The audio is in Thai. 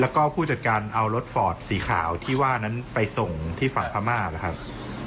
แล้วก็ผู้จัดการเอารถฟอร์ดสีขาวที่ว่านั้นไปส่งที่ฝั่งพม่านะครับ